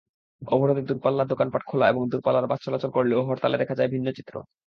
অবরোধে দোকানপাট খোলা এবং দূরপাল্লার বাস চলাচল করলেও হরতালে দেখা যায় ভিন্ন চিত্র।